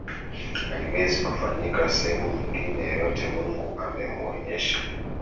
haiwezi kufanyika sehemu nyingine yeyote mungu amemuonyesha